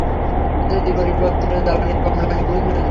এতে দিক পরিবর্তনে জ্বালানি কম লাগল বুঝলেন?